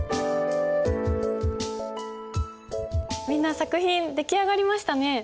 みんな作品出来上がりましたね。